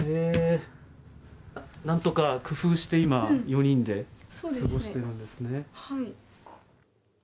なんとか工夫して今、４人で過ごしてるんですね。